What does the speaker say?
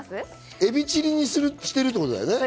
エビチリにしてるってことだよね。